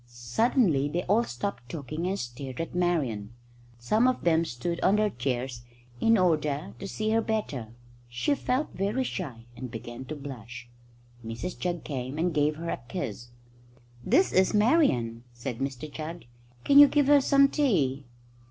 Suddenly they all stopped talking and stared at Marian. Some of them stood on their chairs in order to see her better. She felt very shy, and began to blush. Mrs Jugg came and gave her a kiss. "This is Marian," said Mr Jugg. "Can you give her some tea?"